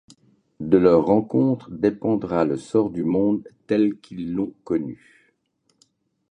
De leur rencontre dépendra le sort du monde tel qu’ils l’ont connu.